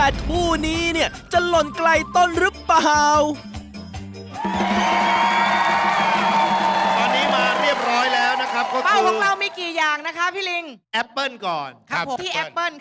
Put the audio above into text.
ที่แอปเปิ้ลค่ะ